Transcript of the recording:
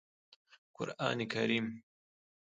قرآن کریم